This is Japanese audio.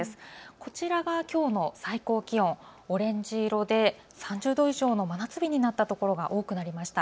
こちらはきょうの最高気温オレンジ色で３０度以上の真夏日になった所が多くなりました。